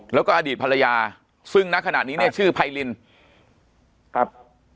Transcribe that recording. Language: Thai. แล้วก็อดีตภรรยาซึ่งณขณะนี้เนี่ยชื่อไพรินครับ